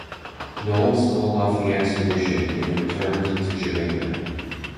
Knowles called off the expedition and returned to Jamaica.